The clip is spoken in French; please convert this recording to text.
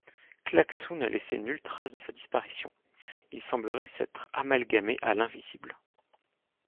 Claquesous n'a laissé nulle trace de sa disparition ; il semblerait s'être amalgamé à l'invisible.